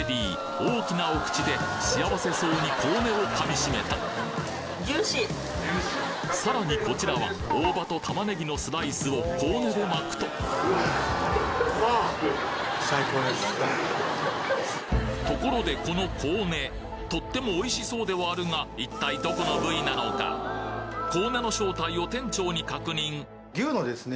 大きなお口で幸せそうにコウネを噛みしめたさらにこちらは大葉と玉ねぎのスライスをコウネで巻くとところでこのコウネとってもおいしそうではあるが一体どこの部位なのか牛のですね